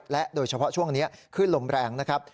และโดยเฉพาะช่วงนี้ขึ้นลมแรงนะครับ